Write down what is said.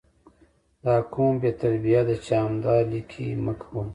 دا کوم بې تربیه ده چې همدا 💩 لیکي مه کوي